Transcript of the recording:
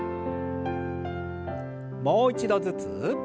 もう一度ずつ。